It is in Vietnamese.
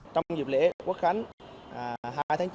trong dịp lễ quốc khánh hai tháng chín